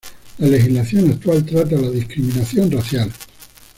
La legislación actual trata la discriminación racial.